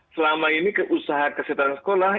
selama ini usaha kesehatan sekolah